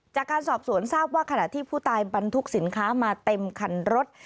จากการสอบสวนทราบว่าขณะที่ผู้ตายบรรทุกสินค้ามาเต็มคันรถ